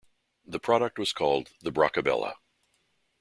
The product was called the Brockabrella.